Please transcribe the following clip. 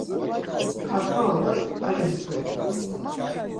K̆arta oras ari mutupe.